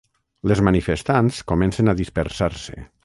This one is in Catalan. Les manifestants comencen a dispersar-se.